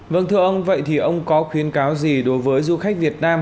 vâng thưa ông vậy thì ông có khuyến cáo gì đối với du khách việt nam